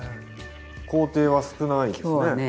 工程は少ないですね。